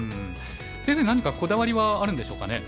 先生何かこだわりはあるんでしょうかね。